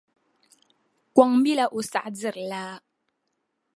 Kɔŋ mi la o saɣadiri laa.